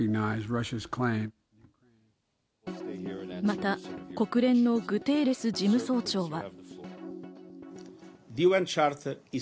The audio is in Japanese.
また、国連のグテーレス事務総長は。